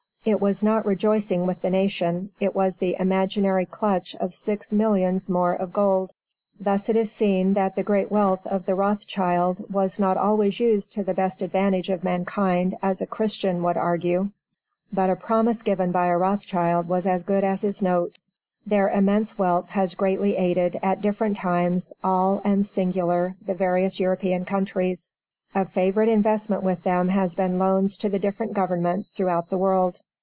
It was not rejoicing with the nation; it was the imaginary clutch of six millions more of gold. Thus it is seen that the great wealth of the Rothschild was not always used to the best advantage of mankind as a Christian would argue; but a promise given by a Rothschild was as good as his note. Their immense wealth has greatly aided, at different times, all and singular, the various European countries. A favorite investment with them has been loans to the different Governments throughout the world.